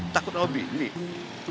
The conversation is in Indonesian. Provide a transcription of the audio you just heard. takut sama bini